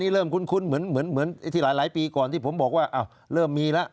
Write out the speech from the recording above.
เริ่มมีแล้ว